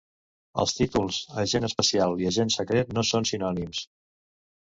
Els títols agent especial i agent secret no són sinònims.